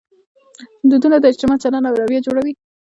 دودونه د اجتماع چلند او رویه جوړوي.